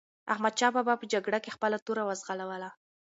احمدشاه بابا په جګړه کې خپله توره وځلوله.